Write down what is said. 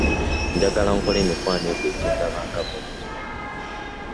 Njagala nkole emikwano egyo egindaba nga bwe ndi.